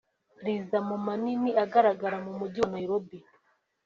riza mu manini agaragara mu Mujyi wa Nairobi